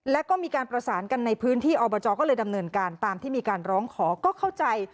แล้วก็มีการประสานกันในพื้นที่อบจก็เลยดำเนินการตามที่มีการร้องขอก็เข้าใจ